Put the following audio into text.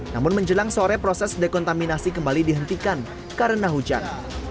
namun menjelang sore proses dekontaminasi kembali dihentikan karena hujan